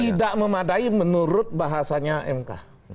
tidak memadai menurut bahasanya mk